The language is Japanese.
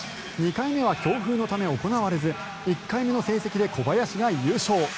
２回目は強風のため行われず１回目の成績で小林が優勝。